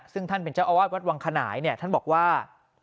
ซึ่งท่านเป็นเจ้าอาวาสวัดวังขนายเนี่ยท่านบอกว่า